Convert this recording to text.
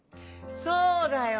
そうだよ。